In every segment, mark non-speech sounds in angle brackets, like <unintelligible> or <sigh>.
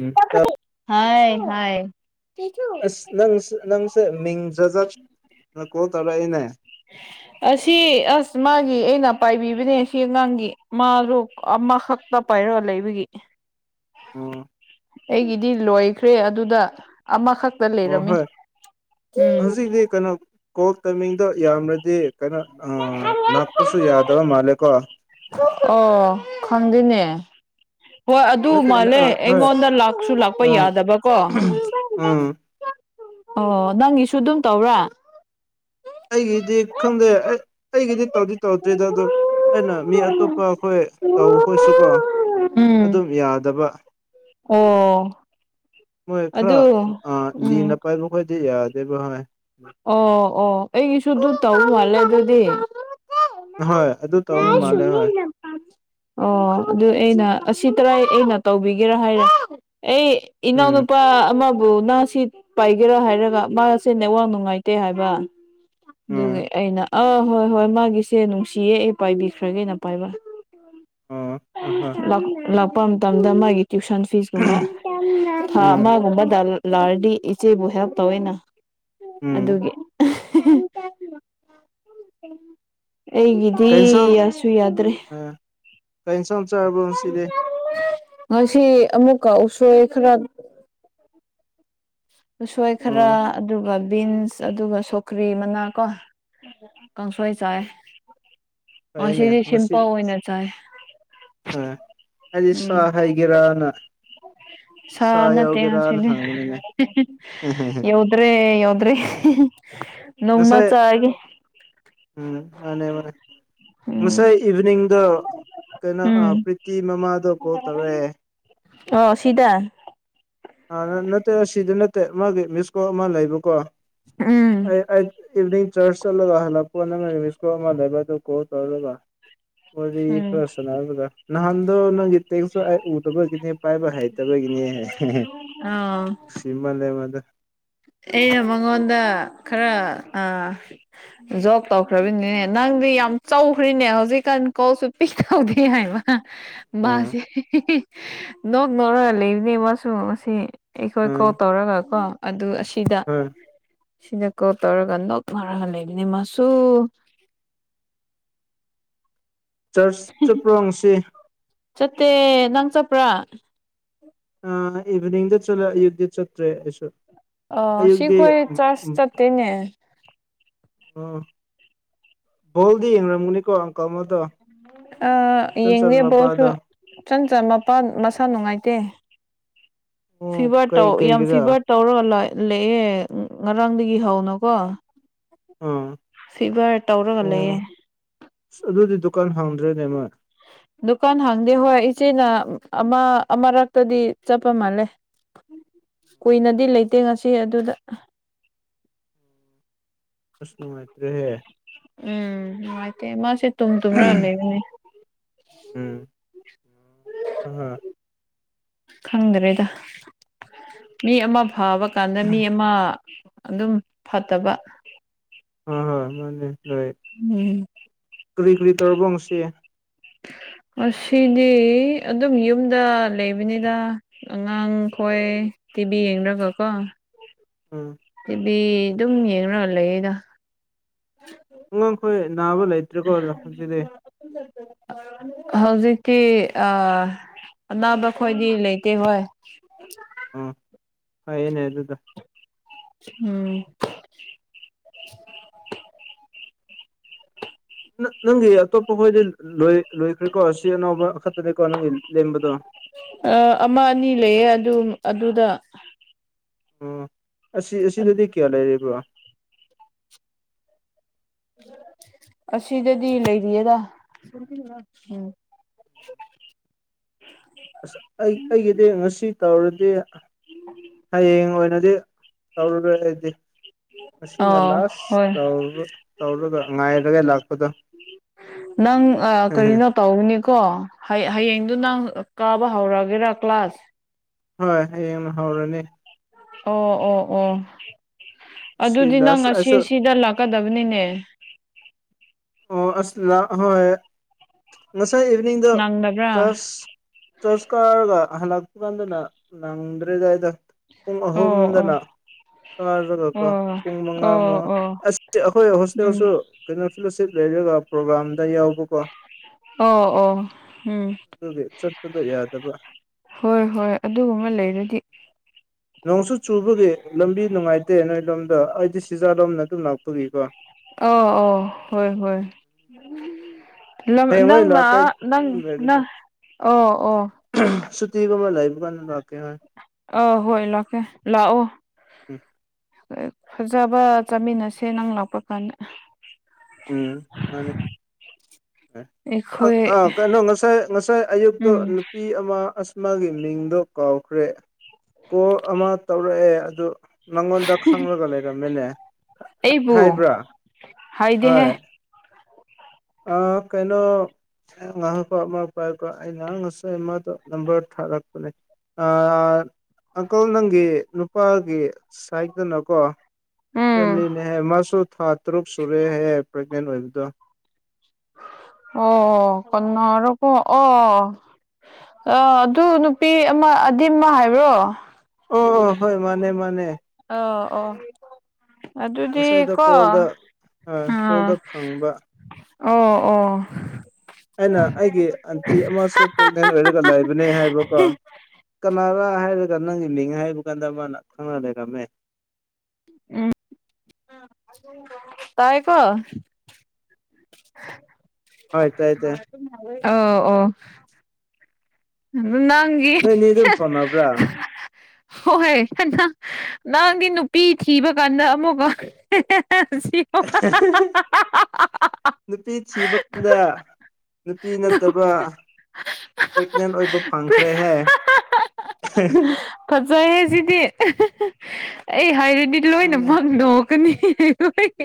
ꯎꯝ ꯇ <unintelligible> <inaudible> ꯍꯥꯏ ꯍ <inaudible> ꯑꯁ ꯅꯪ ꯅꯪꯁꯦ ꯃꯤꯡ ꯖꯖꯥꯠꯅ ꯀꯣꯜ ꯇꯧꯔꯛꯏꯅꯦ ꯎ <inaudible> <unintelligible> ꯑꯁꯤ ꯑꯁ ꯃꯥꯒꯤ ꯑꯩꯅ ꯄꯥꯏꯕꯤꯕꯅꯦ ꯁꯤ ꯑꯉꯥꯡꯒꯤ ꯃꯥꯗꯣ ꯑꯃꯈꯛꯇ ꯄꯥꯏꯔꯣ ꯂꯩꯕꯒꯤ ꯑꯣ ꯑꯩꯒꯤꯗꯤ ꯂꯣꯏꯈ꯭ꯔꯦ ꯑꯗꯨꯗ ꯑꯃꯈꯛ ꯇ ꯑꯣ ꯂꯩꯔꯝꯃꯤ ꯍꯣꯏ ꯎꯝ ꯍꯧꯖꯤꯛꯇꯤ ꯀꯩꯅꯣ ꯀꯣꯜ ꯇꯥꯏꯃꯤꯡꯗꯣ ꯌꯥꯝꯔꯗꯤ ꯀꯩꯅꯣ ꯂꯥꯛꯄꯁꯨ ꯌꯥꯗꯕ ꯃꯥꯜꯂꯦꯀꯣ ꯑꯣ ꯈꯪꯗ‌ꯦꯅꯦ ꯍꯣꯏ ꯑꯗꯨ ꯅꯠꯇꯦ ꯃꯥꯜꯂꯦ ꯑꯥ ꯍꯣꯏ ꯑꯩꯉꯣꯟꯗ ꯂꯥꯛꯁꯨ ꯂꯥꯛꯄ ꯎꯝ ꯌꯥꯗꯕꯀꯣ ꯎꯝ ꯑꯣ ꯅꯪꯒꯤꯁꯨ ꯑꯗꯨꯝ ꯇꯧꯕ꯭ꯔꯥ ꯑꯩꯒꯤꯗꯤ ꯈꯪꯗꯦ ꯑꯩ ꯑꯩꯒꯤꯗꯤ ꯇꯧꯗꯤ ꯇꯧꯗ꯭ꯔꯤꯗ ꯑꯗꯣ ꯑꯩꯅ ꯃꯤ ꯑꯇꯣꯞꯄ ꯑꯩꯈꯣꯏ ꯇꯧꯕ ꯈꯣꯠꯁꯨ ꯀꯣ ꯎꯝ ꯑꯗꯨꯝ ꯌꯥꯗꯕ ꯑꯣ ꯃꯣꯏ ꯈꯔ ꯑꯗꯨ ꯑ ꯎꯝ ꯂꯤꯅ ꯄꯥꯏꯕꯈꯣꯏꯗꯤ ꯌꯥꯗꯦꯕ ꯍ ꯑꯣ ꯑꯣ ꯑꯩꯒꯤꯁꯨ ꯑꯗꯨ ꯇꯧ ꯃꯥꯜꯂꯦ ꯑꯗꯨꯗꯤ ꯍꯣꯏ ꯑꯗꯨ ꯇꯧꯔꯝ ꯃ ꯃꯥꯜꯂꯦ ꯍꯣꯏ ꯁꯃꯤꯅꯤꯅ <unintelligible> <inaudible> ꯑꯣ ꯑꯗꯨ ꯑꯩꯅ ꯑꯁꯤ ꯇꯔꯥꯏ ꯑꯩꯅ ꯇꯧꯕꯤꯒꯦꯔꯥ ꯍꯥꯏꯔꯦ ꯑꯩ ꯏꯅꯥꯎ ꯎꯝ ꯅꯨꯨꯄꯥ ꯑꯃꯕꯨ ꯅꯥ ꯁꯤ ꯄꯥꯏꯒꯦꯔꯥ ꯍꯥꯏꯔꯒ ꯃꯥꯁꯦꯟꯅꯋꯥ ꯅꯨꯡꯉꯥꯏꯇꯦ ꯍꯥꯏꯕ ꯎꯝ ꯑꯗꯨꯒꯤ ꯑꯩꯅ ꯑꯥ ꯍꯣꯏ ꯍꯣꯏ ꯃꯥꯒꯤꯁꯦ ꯅꯨꯡꯁꯤꯌꯦ ꯑꯩ ꯄꯥꯏꯕꯤꯈ꯭ꯔꯒꯦꯅ ꯄꯥꯏꯕ ꯑꯣ ꯍꯣꯏ ꯂꯥꯛꯄ ꯃꯇꯝꯗ ꯃꯥꯒꯤ ꯇ꯭ꯋꯨꯁꯟ ꯐꯤꯁꯀꯨꯝꯕ ꯊꯥ ꯎꯝ ꯑꯃꯥꯒꯨꯝꯕꯗ ꯂꯛꯔꯗꯤ ꯏꯆꯦꯕꯨ ꯍꯦꯜꯞ ꯇꯧꯋꯅ ꯎꯝ ꯑꯗꯨꯒꯤ ꯑꯩꯒꯤ ꯀꯩ ꯏꯟꯁꯥꯡ ꯀꯩ ꯏꯟꯁꯥꯡ ꯆꯥꯔꯕꯣ ꯉꯁꯤꯗꯤ ꯉꯁꯤ ꯑꯃꯨꯛꯀ ꯎꯁꯣꯏ ꯈꯔ ꯎꯁꯣꯏ ꯈꯔ ꯑꯣ ꯑꯗꯨꯒ ꯕꯤꯟꯁ ꯑꯗꯨꯒ ꯁꯧꯒ꯭ꯔꯤ ꯃꯅꯥ ꯀꯣ ꯀꯥꯡꯁꯣꯏ ꯆꯥꯏ ꯐꯩꯅꯦ ꯑꯁꯤꯗꯤ ꯁꯤꯝꯄꯜ ꯑꯣꯏꯅ ꯆꯥꯏ ꯍꯥꯏꯗꯤ ꯁꯥ ꯎꯝ ꯍꯥꯏꯒꯦꯔꯥꯅ ꯁꯥ ꯅꯠꯇꯦ ꯑꯁꯤꯗꯤ ꯌꯎ ꯗ꯭ꯔꯦ ꯌꯥꯎꯗ꯭ꯔ‌ꯦ ꯉꯁꯥꯏ ꯎꯝ ꯃꯥꯅꯦ ꯃꯥꯅꯦ ꯎꯝ ꯉꯁꯥꯏ ꯏꯚꯤꯅꯤꯡ ꯑꯗꯣ ꯀꯩꯅꯣ ꯎꯝ ꯄ꯭ꯔꯤꯇꯤ ꯃꯃꯥꯗꯣ ꯀꯣꯜ ꯇꯧꯔꯛꯑꯦ ꯑ‌ꯣ ꯁꯤꯗꯥ ꯅꯠꯇꯦ ꯑꯁꯤꯗꯤ ꯅꯠꯇꯦ ꯃꯥꯒꯤ ꯃꯤꯁꯀꯣ ꯑꯃ ꯂꯩꯕꯀꯣ ꯎꯝ ꯑꯩ ꯏꯚꯤꯅꯤꯡ ꯆꯔ꯭ꯁ ꯆꯠꯂꯒ ꯍꯜꯂꯛꯄꯀꯣ ꯂꯩ ꯀꯣꯂ ꯋꯔꯤ ꯎꯝ ꯈꯔ ꯁꯅꯒꯗ ꯅꯍꯟꯗ‌ꯣ ꯅꯪꯒꯤ ꯇꯦꯡꯁꯨ ꯑꯩ ꯎꯗꯕꯒꯤꯅꯦ ꯄꯥꯏꯕ ꯍꯩꯇꯕꯒꯤꯅꯦ ꯑꯥ ꯁꯤꯃꯜ ꯂ‌ꯦ ꯃꯗꯨ ꯑꯩꯅ ꯃꯉꯣꯟꯗ ꯈꯔ ꯑ ꯖꯣꯕ ꯇꯧꯈ꯭ꯔꯕꯅꯦ ꯅꯪꯗꯤ ꯌꯥꯝ ꯆꯧꯈ꯭ꯔ‌ꯦꯅꯦ ꯍꯧꯖꯤꯛꯀꯥꯟ ꯀꯧꯁꯨ ꯇꯧꯗꯦ ꯍꯥꯏꯕ ꯎꯝ ꯃꯥꯁꯦ ꯅꯣꯛ ꯅꯔ ꯂꯩꯕꯅꯦ ꯃꯥꯁꯨ ꯉꯁꯤ ꯑꯩꯈꯣꯏ ꯀꯣꯜ ꯎꯝ ꯇꯧꯔꯒ ꯀꯣ ꯑꯗꯨ ꯑꯁꯤꯗ ꯍꯣꯏ ꯁꯤꯗ ꯀꯣꯜ ꯇꯧꯔꯒ ꯅꯣꯛ ꯃꯥꯔꯒ ꯂꯩꯕꯅꯤ ꯃꯥꯁꯨ ꯆꯔꯆ ꯆꯠꯄ꯭ꯔ‌ꯣ ꯉꯁꯤ ꯆꯠꯇꯦ ꯅꯪ ꯆꯠꯄ꯭ꯔꯥ ꯑ ꯏꯚꯤꯅꯤꯡꯗ ꯆꯠꯂ ꯑꯌꯨꯛꯇꯤ ꯆꯠꯇ꯭ꯔꯦ ꯑꯩꯁꯨ ꯑ ꯑꯌꯨꯛꯇꯤ ꯁꯤꯈꯣꯏ ꯆꯔ꯭ꯆ ꯆꯠꯇꯦꯅꯦ ꯎꯝ ꯕꯣꯜꯗꯤ ꯌꯦꯡꯔꯝꯒꯅꯤꯀꯣ ꯑꯪꯀꯜ ꯑꯃꯗꯣ ꯑ ꯏꯆꯟꯆꯟ ꯌꯦꯉꯦ ꯕ‌ꯣꯜꯁꯨ ꯃꯄꯥꯗꯣ ꯆꯟ ꯆꯟ ꯃꯄꯥꯟ ꯃꯁꯥ ꯅꯨꯡꯉꯥꯏꯇꯦ ꯑꯣ ꯐꯤꯚꯔ ꯀꯩ ꯇꯧ ꯌꯥꯝ ꯀꯩꯒꯤꯔꯥ ꯐꯤꯚꯔ ꯇꯧꯔꯒ ꯂꯩꯌ‌ꯦ ꯉꯔꯥꯡꯗꯒꯤ ꯍꯧꯅꯀꯣ ꯑꯥ ꯐꯤꯚꯔ ꯇꯧꯔꯒ ꯑꯣ ꯂꯩꯌꯦ ꯑꯗꯨꯗꯤ ꯗꯨꯀꯥꯟ ꯍꯥꯡꯗ꯭ꯔꯦꯅꯦꯃ ꯗꯨꯀꯥꯟ ꯍꯥꯡꯗꯦ ꯍꯣꯏ ꯏꯆꯦꯅ ꯑꯃ ꯑꯃꯔꯛꯇꯗꯤ ꯆꯠꯄ ꯃꯥꯜꯂꯦ ꯀꯨꯏꯅꯗꯤ ꯂꯩꯇꯦ ꯉꯁꯤ ꯑꯗꯨꯗ ꯑꯁ ꯅꯨꯉꯥꯏꯇ꯭ꯔꯦꯍꯦ ꯎꯝ ꯅꯨꯉꯥꯏꯇꯦ ꯃꯥꯁꯦ ꯇꯨꯝ ꯇꯨꯝ꯭ꯔꯥ ꯂꯩꯕꯅꯦ ꯎꯝ ꯍꯣꯏ ꯍꯣꯏ ꯈꯪꯗ꯭ꯔꯦꯗ ꯃꯤ ꯑꯃ ꯐꯕ ꯀꯥꯟꯗ ꯃꯤ ꯑꯃ ꯑꯗꯨꯝ ꯐꯠꯇꯕ ꯍꯣꯏ ꯍꯣꯏ ꯃꯥꯅꯦ ꯅꯣꯏ ꯎꯝ ꯀꯔꯤ ꯀꯔꯤ ꯇꯧꯔꯕ ꯉꯁꯤ ꯑꯁꯤꯗꯤ ꯑꯗꯨꯝ ꯌꯨꯝꯗ ꯂꯩꯕꯅꯤꯅ ꯑꯉꯥꯡ ꯈꯣꯏ ꯇꯤꯚꯤ ꯌꯦꯡꯅꯒ ꯀꯣ ꯎꯝ ꯇꯤꯚꯤ ꯑꯗꯨꯝ ꯌꯦꯡꯔ ꯂꯩꯌ‌ꯦꯗ ꯑꯉꯥꯡꯈꯣꯏ ꯅꯥꯕ ꯂꯩ ꯍꯧꯖꯤꯛꯇꯤ ꯑꯅꯥꯕ ꯈꯣꯏꯗꯤ ꯂꯩꯇꯦ ꯍꯣꯏ ꯑꯝ ꯍꯣꯏ ꯑꯩꯅ ꯑꯗꯨꯗ ꯎꯝ ꯅꯪꯒꯤ ꯑꯇꯣꯞꯄ ꯕꯣꯏꯃꯦꯜ ꯂꯣꯏꯈ꯭ꯔꯦꯀꯣ ꯁꯤ ꯑꯅꯧꯕ ꯈꯛꯇꯅꯦꯀꯣ ꯅꯪꯒꯤ ꯂꯦꯝꯕꯗꯣ ꯑ ꯑꯃ ꯑꯅꯤ ꯂꯩꯌꯦ ꯑꯗꯨꯝ ꯑꯗꯨꯗ ꯑꯣ ꯑꯁꯤ ꯑꯁꯤꯗꯗꯤ ꯀꯌꯥ ꯂꯩꯔꯤꯕ꯭ꯔ ꯑꯁꯤꯗꯗꯤ ꯂꯩꯔꯤꯌꯦꯗ ꯑꯁ ꯑꯩ ꯑꯩꯒꯤꯗꯤ ꯉꯁꯤ ꯇꯧꯔꯗꯤ ꯍꯌꯦꯡ ꯑꯣꯏꯅꯗꯤ ꯇꯧꯔꯨꯔꯣꯏ ꯑꯩꯗꯤ ꯃꯁꯤꯅ ꯑ ꯂꯥꯁ ꯍꯣꯏ ꯇꯧꯔ ꯇꯧꯔꯒ ꯉꯥꯏꯔꯒ ꯂꯥꯛꯄꯗꯣ ꯅꯪ ꯑ ꯀꯔꯤꯅꯣ ꯇꯧꯅꯤꯀꯣ ꯍꯌꯦꯡꯗꯨ ꯅꯪ ꯀꯥꯕ ꯍꯧꯔꯒꯦꯔꯥ ꯀ꯭ꯂꯥꯁ ꯍꯣꯏ ꯍꯌꯦꯡꯅ ꯍꯧꯔꯒꯦ ꯑꯣ ꯑꯣ ꯑꯣ ꯁꯤ ꯑꯗꯨꯗꯤ ꯅꯪ ꯂꯥꯁ ꯉꯁꯤ ꯑꯩꯁꯨ ꯁꯤꯗ ꯂꯥꯛꯀꯗꯕꯅꯤꯅꯦ ꯑꯣ ꯑꯁ ꯍꯣꯏ ꯉꯁꯥꯏ ꯏꯚꯤꯅꯤꯡꯗ ꯅꯪꯗꯕ꯭ꯔꯥ ꯀꯂꯥ꯭ꯁ ꯆꯔꯆ ꯀꯥꯔꯒ ꯍꯂꯛꯄꯀꯥꯟꯗꯨꯗ ꯅꯪꯗ꯭ꯔꯦꯗ ꯑꯩꯗꯣ ꯄꯨꯡ ꯑꯣ ꯑꯣ ꯑꯍꯨꯝꯗꯅ ꯀꯥꯔꯒ ꯀꯣ ꯄꯨꯡ ꯑꯣ ꯃꯉꯥ ꯑꯣ ꯃꯉꯥ ꯑꯣ ꯑ ꯑꯩꯈꯣꯏ ꯎꯝ ꯍꯣꯁꯇꯦꯜꯁꯨ ꯀꯩꯅꯣ ꯐꯤꯂꯣꯁꯤꯞ ꯂꯩꯔꯒ ꯄ꯭ꯔꯣꯒ꯭ꯔꯥꯝꯗ ꯌꯥꯎꯕꯀꯣ ꯑꯣ ꯑꯣ ꯎꯝ ꯆꯠꯄꯗꯣ ꯌꯥꯗꯕ ꯍꯣꯏ ꯍꯣꯏ ꯑꯗꯨꯒꯨꯝꯕ ꯂꯩꯔꯗꯤ ꯅꯣꯡꯁꯨ ꯆꯨꯕꯒꯤ ꯂꯝꯕꯤ ꯅꯨꯡꯉꯥꯏꯇꯦ ꯅꯣꯏ ꯂꯣꯝꯗ ꯑꯩꯗꯤ ꯁꯤꯖꯥꯔꯣꯝꯅ ꯑꯗꯨꯝ ꯂꯥꯛꯄꯒꯤꯀꯣ ꯑ ꯑꯣ ꯍꯣꯏ ꯍꯣꯏ ꯍꯌꯦꯡꯋꯥꯏ ꯅꯪꯅ ꯂꯥꯛꯀꯦ ꯑꯗꯨꯝ ꯅꯪꯪ ꯑꯣ ꯑꯣ ꯁꯨꯇꯤ ꯒꯨꯝꯕ ꯂꯩꯕ ꯀꯥꯟꯗ ꯂꯥꯛꯀꯦ ꯍꯣꯏ ꯑ ꯍꯣꯏ ꯂꯥꯛꯀꯦ ꯂꯥꯛꯑꯣ ꯎꯝ ꯐꯖꯕ ꯆꯥꯃꯤꯟꯅꯁꯦ ꯅꯪ ꯂꯥꯛꯄ ꯀꯥꯟꯗ ꯎꯝ ꯃꯥꯅꯦ ꯑꯩꯈꯣꯏ ꯑ ꯀꯩꯅꯣ ꯉꯁꯥꯏ ꯉꯁꯥꯏ ꯑꯌꯨꯛꯇꯣ ꯎꯝ ꯅꯨꯄꯤ ꯅꯨꯄꯤ ꯑꯃ ꯑꯁ ꯃꯒꯤ ꯃꯤꯡꯗꯣ ꯀꯥꯎꯈ꯭ꯔꯦ ꯀꯣꯜ ꯑꯃ ꯇꯧꯔꯛꯑꯦ ꯑꯗꯨ ꯅꯪꯉꯣꯟꯗ ꯈꯪꯂꯒ ꯂꯩꯔꯝꯃꯦꯅꯦ ꯑꯩꯕꯨ ꯍꯥꯏꯕ꯭ꯔꯥ ꯍꯥꯏꯗꯦꯍꯦ ꯍꯣꯏ ꯑ ꯀꯩꯅꯣ ꯑ ꯉꯥꯏꯍꯥꯛꯀꯣ ꯑꯃ ꯄꯥꯏꯀꯣ ꯑꯩ ꯉꯍꯥꯛ ꯉꯁꯥꯏ ꯑꯃꯗꯣ ꯅꯝꯕꯔ ꯊꯥꯔꯛꯄꯅꯦ ꯑ ꯑꯗꯣ ꯅꯪꯒꯤ ꯅꯨꯄꯥꯒꯤ ꯁꯥꯏꯠꯇꯅꯀꯣ ꯎꯝ ꯐꯦꯃꯤꯂꯤꯅꯦ ꯍꯥꯏꯌꯦ ꯃꯥꯁꯨ ꯊꯥ ꯇꯔꯨꯛ ꯁꯨꯔꯦ ꯍꯥꯏꯌꯦ ꯃꯦꯟ ꯑꯣꯏꯕꯗꯣ ꯑꯣ ꯀꯅꯔꯀꯣ ꯑꯣ ꯑ ꯑꯗꯨ ꯅꯨꯄꯤ ꯑꯃ ꯑꯗꯤꯝꯃ ꯍꯥꯏꯕ꯭ꯔꯣ ꯑꯣ ꯍꯣꯏ ꯃꯥꯅꯦ ꯃꯥꯅꯦ ꯑ ꯑꯣ ꯑꯗꯨꯗꯤ ꯉꯁꯥꯏꯗ ꯀꯣ ꯀꯣꯜꯗ ꯑꯥ ꯑ ꯀꯣꯜꯗ ꯐꯪꯕ ꯑꯣ ꯑꯣ ꯑꯩꯅ ꯑꯩꯒꯤ ꯑꯟꯇꯤ ꯑꯃꯁꯨ ꯄ꯭ꯔꯦꯒꯅꯦꯟ ꯑꯣꯏꯔꯒ ꯂꯩꯕꯅꯦ ꯍꯥꯏꯕꯀꯣ ꯀꯅꯥꯅ ꯍꯥꯏꯔꯒ ꯅꯪꯒꯤ ꯃꯤꯡ ꯍꯥꯏꯕ ꯀꯥꯟꯗ ꯃꯥꯅ ꯈꯪꯅꯂꯩꯔꯝꯃꯦ ꯎꯝ ꯇꯥꯏ ꯀꯣ <unintelligible> ꯍꯣꯏ ꯇꯥꯏꯌꯦ ꯇꯥꯏꯌꯦ ꯑ ꯑꯣ ꯑꯗꯨ ꯅꯪꯒꯤꯤ ꯅꯣꯏꯅꯤ ꯑꯗꯨꯝ ꯐꯥꯎꯅꯕ꯭ꯔꯥ ꯍꯣꯏ ꯍꯣꯏ ꯅꯪꯗꯤ ꯅꯨꯄꯤ ꯊꯤꯕ ꯀꯥꯟꯗ ꯑꯃꯨꯛꯀ ꯁꯤ <unintelligible> ꯅꯨꯄꯤ ꯊꯤꯕ ꯀꯥꯟꯗ ꯅꯨꯄꯤ ꯅꯠꯇꯕ ꯄ꯭ꯔꯦꯒꯅꯦꯟ ꯑꯣꯏꯕ ꯐꯪꯈ꯭ꯔꯦꯍꯦ ꯐꯖꯩ ꯍꯥꯏ ꯁꯤꯗꯤ ꯑꯩ ꯍꯥꯏꯔꯗꯤ ꯂꯣꯏꯅꯃꯛꯪꯗꯣꯛꯀꯅꯤ ꯍ ꯍꯣꯏ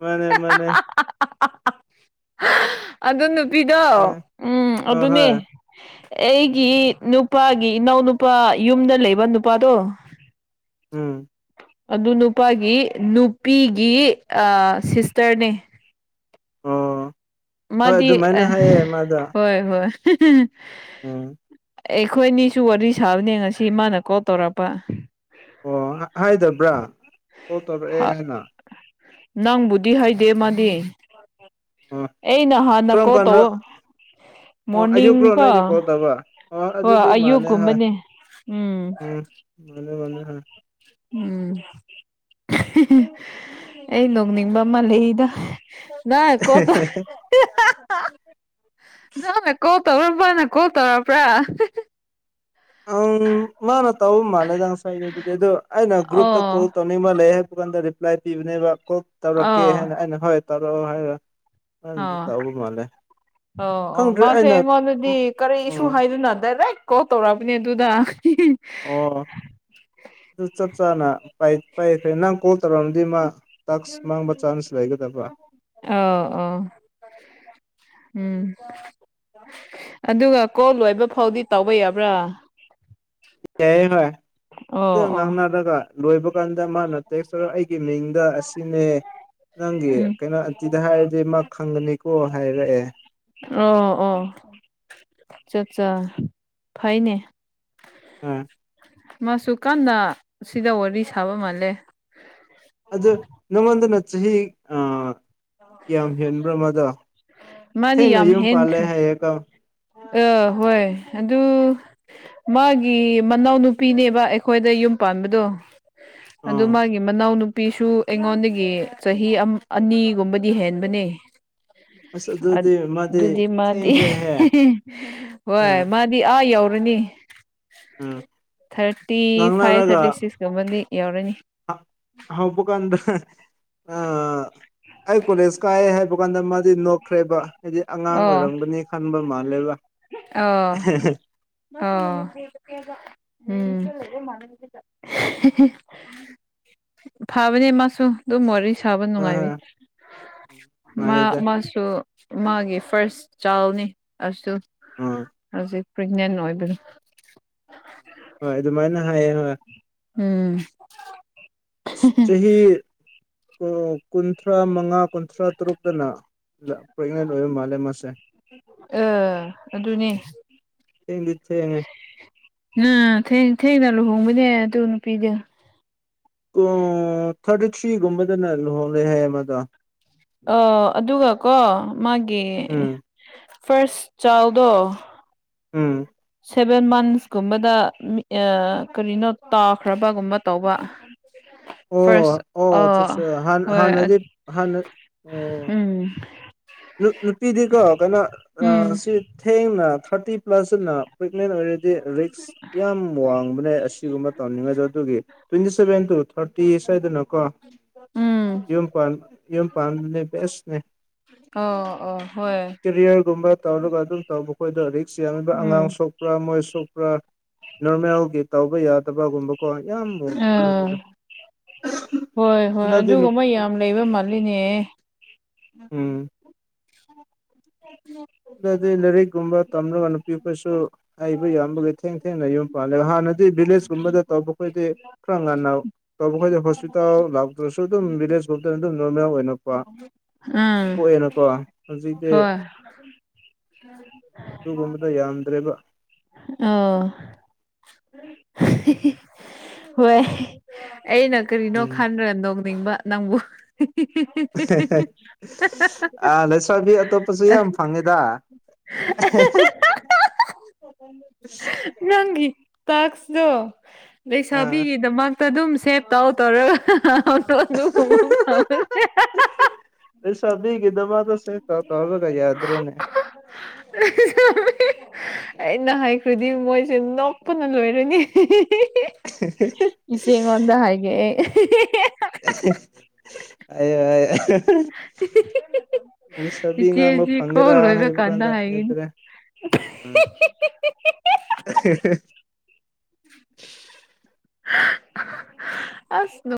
ꯃꯅꯦ ꯃꯅꯦ ꯑꯗꯨ ꯅꯨꯄꯤꯗꯣ ꯎꯝ ꯑꯣ ꯑꯗꯨꯅꯦ ꯍꯣꯏ ꯑꯩꯒꯤ ꯅꯨꯄꯥꯒꯤ ꯏꯅꯥꯎ ꯅꯨꯄꯥ ꯌꯨꯝꯗ ꯂꯩꯕ ꯅꯨꯄꯥꯗꯣ <unintelligible> ꯎꯝ ꯑꯗꯨ ꯅꯨꯄꯥꯒꯤ ꯅꯨꯄꯤꯒꯤ ꯁꯤꯁꯇꯔꯅꯦ ꯑꯣ ꯍꯣꯏ ꯃꯥꯗꯤ ꯑꯗꯨꯃꯥꯏꯅ ꯑ ꯍꯥꯏꯌꯦ ꯍꯣꯏ ꯍꯣꯏ ꯑꯣ ꯑꯩꯈꯣꯏꯅꯤꯁꯨ ꯋꯥꯔꯤ ꯁꯥꯕꯅꯦ ꯉꯁꯤ ꯃꯥꯅ ꯀꯣꯜ ꯇꯧꯔꯛꯄ ꯑꯣ ꯍꯥꯏꯗꯕ꯭ꯔꯥ ꯀꯣ ꯇꯧꯔꯛꯑꯦ ꯍꯥꯏꯅ ꯅꯪꯕꯨꯗꯤ ꯍꯥꯏꯗꯦ ꯃꯥꯗꯤ ꯎꯝ ꯑꯩꯅ ꯍꯥꯟꯅ ꯀꯔꯝ ꯀꯣꯜ ꯀꯥꯟꯗ ꯇꯧ ꯑꯣ ꯑꯌꯨꯛꯔꯣ ꯃꯣꯔꯅꯤꯡ ꯀꯣ ꯅꯣꯢꯅ ꯀꯣꯜ ꯇꯧꯕ ꯑꯥ ꯍꯣꯏ ꯑꯗꯨꯗꯤ ꯃꯥꯅꯦ ꯍꯣꯏ ꯑꯌꯨꯛꯀꯨꯝꯕꯅꯦ ꯎꯝ ꯃꯥꯅꯦ ꯃꯥꯅꯦ ꯍꯣꯏ ꯎꯝ ꯑꯩ ꯅꯣꯡꯅꯤꯡꯕ ꯑꯃ ꯂꯩꯗ ꯅ ꯀꯣꯠꯇ <inaudible> ꯅꯪꯅꯦ ꯀꯣꯜ ꯇꯧꯔꯕ꯭ꯔ ꯃꯅꯥ ꯀꯣꯜ ꯇꯧꯔꯕ꯭ꯔꯥ ꯃꯅꯥ ꯇꯧꯕ ꯃꯥꯂꯦꯗ ꯉꯥꯁꯥꯏꯗꯨꯗꯤ ꯑꯩꯅꯥ ꯑꯣ ꯒꯔꯨꯞ ꯇꯥ ꯑꯅꯤꯃꯛ ꯂꯩꯌꯦ ꯍꯥꯏꯕꯒꯥꯟꯗ ꯔꯤꯄ꯭ꯂꯥꯏ ꯄꯤꯕꯅꯦꯕ ꯀꯣꯛ ꯇꯧꯔꯛꯀꯦ ꯑꯣ ꯍꯥꯏꯅ ꯑꯩꯅ ꯍꯣꯏ ꯇꯧꯔꯛꯑꯣ ꯍꯥꯏꯔ ꯐꯖꯅꯗꯤ ꯑꯣ ꯇꯥꯎꯕ ꯃꯥꯂꯦ ꯑꯣ ꯑꯣ ꯃꯥꯁꯦ ꯑꯩꯉꯣꯟꯗꯗꯤ ꯀꯔꯤ ꯏꯁꯨ ꯎꯝ ꯍꯥꯏꯗꯅ ꯗꯥꯏꯔꯦꯛ ꯀꯣꯜ ꯇꯧꯔꯛꯑꯕꯅꯦ ꯑꯗꯨꯗ ꯑꯣ ꯑꯗꯨ ꯆꯞ ꯆꯥꯅ ꯄꯥꯏꯈ꯭ꯔꯦ ꯅꯪ ꯀꯣꯜ ꯇꯧꯔꯛꯑꯝꯗꯤ ꯃꯥ ꯇꯥꯛꯁ ꯃꯥꯡꯕ ꯆꯥꯟꯁ ꯂꯩꯒꯗꯕ ꯎꯝꯝ ꯑ ꯑꯣ ꯎꯝ ꯑꯗꯨꯒ ꯀꯣꯜ ꯂꯣꯏꯕ ꯐꯥꯎꯗꯤ ꯇꯧꯕ ꯌꯥꯕ꯭ꯔꯥ ꯌꯥꯏꯑꯦ ꯍꯣꯏ ꯑꯣ ꯑꯗꯨꯣ ꯑꯣ ꯉꯥꯡꯅꯔꯒ ꯂꯣꯏꯕ ꯀꯥꯟꯗ ꯃꯥꯅ ꯇꯦꯛꯁ ꯑꯩꯒꯤ ꯃꯤꯡꯗ ꯑꯁꯤꯅꯦ ꯅꯪꯒꯤ ꯎꯝ ꯀꯩꯅꯣ ꯇꯤꯗ ꯍꯥꯏꯔꯗꯤ ꯃꯥ ꯈꯪꯒꯅꯤꯀꯣ ꯍꯥꯏꯔꯛꯑꯦ ꯑꯣ ꯑꯣ ꯑꯆꯥ ꯆꯥ ꯐꯩꯅꯦ ꯎꯝ ꯃꯥꯁꯨ ꯀꯟꯅ ꯁꯤꯗ ꯋꯥꯔꯤ ꯁꯥꯕ ꯃꯥꯜꯂꯦ ꯑꯗꯨ ꯅꯉꯣꯟꯗꯅ ꯆꯍꯤ ꯑꯥ ꯀꯌꯥꯝ ꯍꯦꯟꯕ꯭ꯔꯥ ꯃꯥꯗꯣ ꯃꯥꯗꯤ ꯊꯦꯡꯅꯥ ꯌꯨꯝ ꯄꯜꯂꯦ ꯍꯥꯏꯌꯦ ꯒꯣ ꯑꯥ ꯍꯣꯏ ꯑꯗꯨ ꯃꯥꯒꯤ ꯃꯅꯥꯎꯅꯨꯄꯤꯅꯦꯕ ꯑꯩꯈꯣꯏꯗ ꯌꯨꯝ ꯄꯥꯟꯕꯗꯣ ꯑꯗꯨ ꯑꯥ ꯃꯥꯒꯤ ꯃꯅꯥꯎ ꯅꯨ ꯅꯨꯄꯤꯁꯨ ꯑꯩꯉꯣꯟꯗꯒꯤ ꯆꯍꯤ ꯑꯅꯤꯒꯨꯝꯕꯗꯤ ꯍꯦꯟꯕꯅꯦ ꯑꯁ ꯃꯥꯗꯤ ꯑꯗꯨꯗꯤ ꯃꯥꯗꯤ ꯊꯦꯡꯈ꯭ꯔꯦꯍꯦ ꯍꯣꯏ ꯑꯥ ꯃꯥꯗꯤ ꯑꯥ ꯌꯧꯔꯅꯤ ꯑꯥ ꯊꯥꯔꯇꯤ ꯐꯥꯏꯚ ꯊꯥꯔꯇꯤ ꯁꯤꯛꯁꯀꯨꯝꯕꯗꯤ ꯌꯥꯎꯔꯅꯤ ꯍꯥꯎ ꯄꯀꯥꯟꯗ ꯑ ꯑꯩ ꯀꯣꯂꯦꯁ ꯀꯥꯢ ꯍꯥꯢꯕ ꯀꯥꯟꯗ ꯃꯥꯗꯤ ꯅꯣꯛꯈ꯭ꯔꯦꯕ ꯍꯥꯏꯗꯤ ꯑꯉꯥꯡ ꯑꯣ ꯑꯣꯏꯔꯝꯒꯅꯤ ꯈꯟꯕ ꯃꯥꯜꯂꯦꯕ ꯑꯣ ꯑꯣ ꯎꯝ ꯐꯕꯅꯦ ꯃꯥꯁꯨ ꯑꯗꯨꯝ ꯋꯥꯔꯤ ꯁꯥꯕ ꯑ ꯅꯨꯡꯉꯥꯏꯕꯅꯦ ꯃꯥ ꯅꯨꯡꯉꯥꯏꯗ ꯃꯥ ꯁꯨ ꯃꯥꯒꯤ ꯐꯥꯔꯁ ꯆꯥꯏꯜꯅꯤ ꯑꯗꯨ ꯑꯥ ꯍꯧꯖꯤꯛ ꯄ꯭ꯔꯦꯒꯅꯦꯟ ꯑꯣꯏꯕꯗꯣ ꯍꯣꯏ ꯑꯗꯨꯃꯥꯏꯅ ꯍꯥꯏꯌꯦ ꯍꯣꯏ ꯎꯝ ꯆꯍꯤ ꯀꯨꯟꯊ꯭ꯔꯥ ꯃꯉꯥ ꯀꯨꯟꯊ꯭ꯔꯥ ꯇꯔꯨꯛꯇꯅ ꯄ꯭ꯔꯦꯒꯅꯦꯟ ꯑꯣꯏꯕ ꯃꯥꯜꯂꯦ ꯃꯥꯁꯦ ꯑ ꯑꯗꯨꯅꯦ ꯊꯦꯡꯗꯤ ꯊꯦꯡꯉꯦ ꯑꯝ ꯊꯦꯡꯅ ꯂꯨꯍꯣꯡꯕꯅꯦ ꯑꯗꯨ ꯅꯨꯄꯤꯗꯣ ꯑꯣ ꯊꯥꯔꯇꯤ ꯊ꯭ꯔꯤ ꯒꯨꯝꯕꯗꯅ ꯂꯨꯍꯣꯡꯂꯦ ꯍꯥꯏ ꯃꯗꯣ ꯑ ꯑꯗꯨꯒꯀꯣ ꯃꯥꯒꯤ ꯎꯝ ꯐꯥ꯭ꯁ ꯆꯥꯜꯗꯣ ꯎꯝ ꯁꯦꯚꯦꯟ ꯃꯟꯁꯀꯨꯝꯕꯗ ꯀꯔꯤꯅꯣ ꯇꯥꯈ꯭ꯔꯕꯒꯨꯝꯕ ꯇꯧꯕ ꯐꯥꯔꯁ ꯑꯣ ꯑꯣ ꯑꯆꯥ ꯑ ꯆꯥ ꯍꯣꯏ ꯍꯥꯟꯅꯗꯤ ꯍꯥꯟꯅ ꯑꯣ ꯎꯝ ꯅꯨꯄꯤꯗꯤꯀꯣ ꯀꯩꯅꯣ ꯎꯝ ꯁꯤ ꯊꯦꯡꯅ ꯊꯥꯔꯇꯤ ꯄ꯭ꯂꯁꯅ ꯄ꯭ꯔꯦꯒꯅꯦꯟ ꯑꯣꯏꯔꯦ ꯗꯤ ꯔꯤꯛꯁ ꯌꯥꯝ ꯋꯥꯡꯕꯅꯦ ꯑꯁꯤꯒꯨꯝꯕ ꯇꯧꯅꯤꯡꯉꯁꯨ ꯑꯗꯨꯒꯤ ꯇ꯭ꯋꯦꯟꯇꯤ ꯁꯦꯚꯦꯟ ꯇꯨ ꯊꯥꯔꯇꯤ ꯁꯥꯏꯗꯅ ꯀꯣ ꯎꯝ ꯌꯨꯝ ꯄꯥꯟ ꯌꯨꯝ ꯄꯥꯟꯕꯅ ꯕꯦꯁꯅꯦ ꯑꯣ ꯑꯣ ꯍꯣꯏ ꯀꯦꯔꯤꯌꯔꯒꯨꯝꯕ ꯇꯧꯔꯒ ꯑꯗꯨꯝ ꯇꯧꯕ ꯃꯈꯣꯏꯗꯣ ꯔꯤꯛꯁ ꯌꯥꯝꯃꯤꯕ ꯎꯝ ꯑꯉꯥꯡ ꯁꯣꯛ ꯃꯣꯏ ꯁꯣꯛꯄ꯭ꯔꯥ ꯅꯣꯔꯃꯦꯜꯒꯤ ꯇꯧꯕ ꯌꯥꯗꯕꯒꯨꯝꯕ ꯀꯣ ꯌꯥꯝꯕꯗꯤ ꯑꯥ ꯅꯠꯇꯦꯗ ꯍꯣꯏ ꯍꯣꯏ ꯑꯗꯨꯒꯨꯝꯕ ꯌꯥꯝ ꯂꯩꯕ ꯃꯥꯜꯂꯤꯅꯦ ꯎꯝ ꯎꯝ <inaudible> ꯂꯥꯏꯔꯤꯛ ꯒꯨꯝꯕ ꯇꯝꯂꯒ ꯅꯨꯄꯤ ꯈꯣꯏꯁꯨ ꯍꯩꯕ ꯌꯥꯕꯒꯤ ꯊꯦꯡ ꯊꯦꯡꯅ ꯌꯨꯝ ꯄꯥꯜꯂꯦꯕ ꯍꯥꯟꯅꯗꯤ ꯚꯤꯂꯦꯖꯀꯨꯝꯕꯗ ꯇꯧꯕꯈꯣꯏꯗꯤ ꯈꯔ ꯉꯟꯅ ꯑꯐꯈꯣꯢꯗꯤ ꯍꯣꯁꯄꯤꯇꯥꯜ ꯂꯥꯛꯇ꯭ꯔꯁꯨ ꯑꯗꯨꯝ ꯚꯤꯂꯦꯖꯀꯨꯝꯕꯇ ꯑꯗꯨꯝ ꯅꯣꯔꯃꯦꯜ ꯑꯣꯏꯅ ꯎꯝ ꯄꯣꯛꯑꯦꯅꯀꯣ ꯍꯧꯖꯤꯛꯗꯤ ꯍꯣꯏ ꯑꯗꯨꯒꯨꯝꯕꯗꯣ ꯌꯥꯝꯗ꯭ꯔꯦꯕ ꯑꯥꯎ ꯍꯣꯏ ꯑꯩꯩꯅ ꯀꯔꯤꯅꯣ ꯎꯝ ꯈꯟꯈ꯭ꯔ ꯅꯣꯡꯅꯤꯡꯕ ꯅꯪꯕꯨ <unintelligible> ꯑ ꯂꯩꯁꯥꯕꯤ ꯑꯇꯣꯞꯄꯁꯨ ꯌꯥꯝ ꯐꯪꯉꯤꯗ ꯅꯪꯒꯤ ꯇꯥꯛꯁꯇꯣ ꯑꯥ ꯂꯩꯁꯥꯕꯤꯒꯤꯗꯃꯛ ꯑꯗꯨꯝ ꯁꯦꯞ ꯇꯥꯎ ꯇꯧꯔꯒ ꯐꯇꯣ ꯑꯗꯨꯁꯦ ꯂꯩꯁꯥꯕꯤꯒꯗꯃꯛ ꯁꯦꯕ ꯇꯧꯕꯒ ꯌꯥꯗ꯭ꯔꯦꯅꯦ ꯑ ꯑꯩꯅ ꯍꯥꯏꯈ꯭ꯔꯗꯤ ꯃꯣꯏꯁꯦ ꯅꯣꯛꯄꯅ ꯂꯣꯏꯔꯅꯤ <inaudible> ꯏꯆꯦꯉꯣꯟꯗ ꯍꯥꯏꯒꯦ ꯑꯩ ꯑ ꯉꯥꯡꯕ ꯏꯆꯦꯁꯤ ꯀꯣꯜ ꯐꯪꯒꯦꯔꯥ ꯂꯣꯏꯕ ꯍꯥꯏꯕ ꯀꯥꯟꯗꯥ ꯀꯥꯟꯗ ꯍꯥꯏꯒꯦ <inaudible> ꯌꯥꯗ꯭ꯔꯦ ꯎꯝ ꯑꯁ